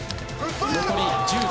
残り１０秒。